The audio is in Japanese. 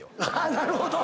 なるほど。